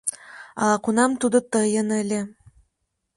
— Ала-кунам тудо тыйын ыле...